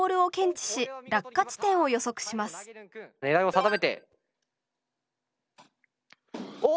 狙いを定めておお！